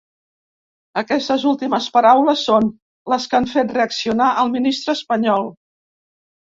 Aquestes últimes paraules són les que han fet reaccionar el ministre espanyol.